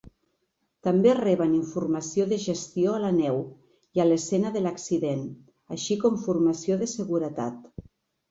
També reben formació de gestió a la neu i a l'escena de l'accident, així com formació de seguretat.